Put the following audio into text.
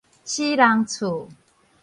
死人厝